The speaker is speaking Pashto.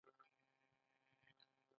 کمیټه کوچنۍ کاري ډله ده